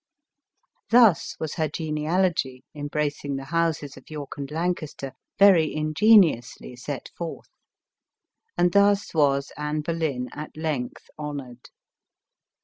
Thus was her genealogy, embracing the houses of York and Lancaster, very ingeniously set forth ; and thus was Anne Boleyn at length honored.